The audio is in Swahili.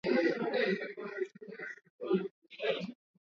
Kwa kiasi kikubwa walienea kuelekea kusini kutoka koloni lao la Kanada Quebec